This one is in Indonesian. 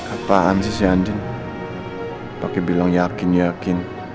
apaan sih si andin pakai bilang yakin yakin